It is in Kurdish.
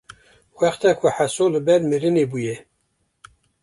wexta ku Heso li ber mirinê bûye